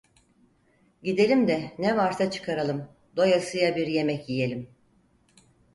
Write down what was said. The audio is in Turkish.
Gidelim de ne varsa çıkaralım, doyasıya bir yemek yiyelim…